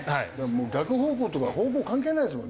もう逆方向とか方向関係ないですもんね。